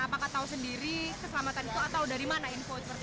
apakah tahu sendiri keselamatan itu atau dari mana info seperti itu